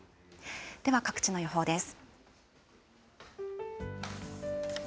では各地の予報です。